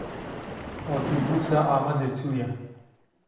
Otobûsa Amedê çûye.